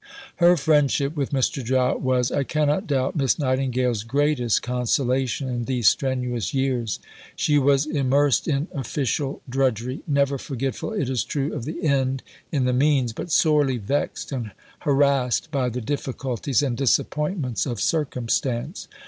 Her friendship with Mr. Jowett was, I cannot doubt, Miss Nightingale's greatest consolation in these strenuous years. She was immersed in official drudgery, never forgetful, it is true, of the end in the means, but sorely vexed and harassed by the difficulties and disappointments of circumstance.